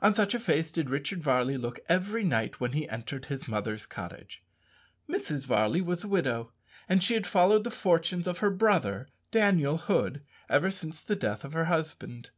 On such a face did Richard Varley look every night when he entered his mother's cottage. Mrs. Varley was a widow, and she had followed the fortunes of her brother, Daniel Hood, ever since the death of her husband.